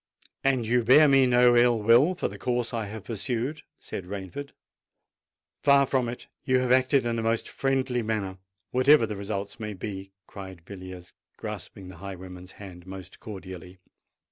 "And you bear me no ill will for the course I have pursued?" said Rainford. "Far from it. You have acted in a most friendly manner—whatever the result may be!" cried Villiers, grasping the highwayman's hand most cordially.